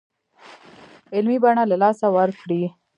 علمي بڼه له لاسه ورکړې.